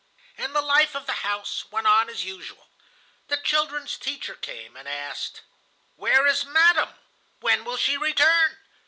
"And the life of the house went on as usual. The children's teacher came and asked: 'Where is Madame? When will she return?